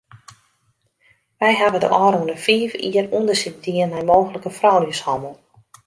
Wy hawwe de ôfrûne fiif jier ûndersyk dien nei mooglike frouljushannel.